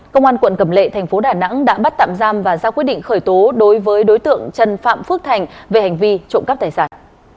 công an quận cầm lệ thành phố đà nẵng đã bắt tạm giam và ra quyết định khởi tố đối với đối tượng trần phạm phước thành về hành vi trộm cắp tài sản